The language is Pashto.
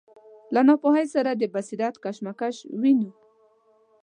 له ناپوهۍ سره د بصیرت کشمکش وینو.